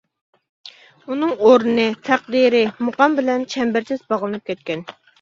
ئۇنىڭ ئورنى، تەقدىرى مۇقام بىلەن چەمبەرچاس باغلىنىپ كەتكەن.